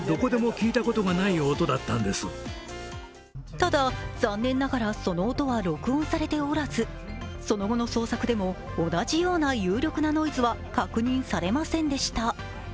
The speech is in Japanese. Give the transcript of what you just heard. ただ、残念ながらその音は録音されておらずその後の捜索でも同じような有力なノイズは確認されませんでした。